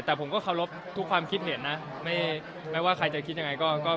แต่ผมก็เคารพทุกความคิดเห็นนะไม่ว่าใครจะคิดยังไงก็